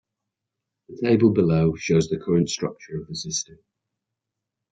The table below shows the current structure of the system.